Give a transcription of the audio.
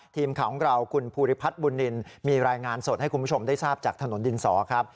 ทีมข่าวของเราคุณภูริพัฒน์บุญนินมีรายงานสดให้คุณผู้ชมได้ทราบจากถนนดินสอครับ